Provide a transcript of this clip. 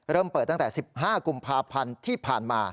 เริ่มเปิดตั้งแต่๑๕กุมภาพันธ์ที่ผ่านมา